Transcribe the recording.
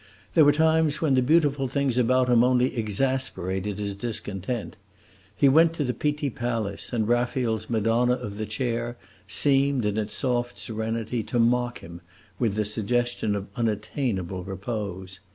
There were times when the beautiful things about him only exasperated his discontent. He went to the Pitti Palace, and Raphael's Madonna of the Chair seemed, in its soft serenity, to mock him with the suggestion of unattainable repose.